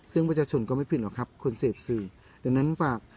ซึ่งประชาชนก็ไม่ผิดหรอกครับคนเสพสื่อดังนั้นฝาก